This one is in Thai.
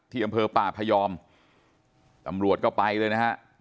อำเภอป่าพยอมตำรวจก็ไปเลยนะฮะ